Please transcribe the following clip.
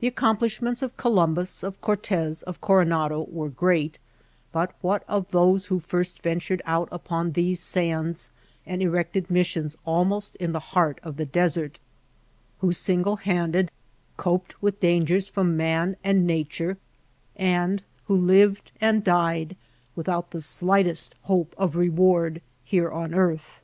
The accomplishments of Columbus, of Cortez, of Coronado were great ; but what of those who first ventured out upon these sands and erected missions almost in the heart of the desert, who single handed coped with dangers THE APPEOACH 21 from man and nature, and who lived and died without the slightest hope of reward here on earth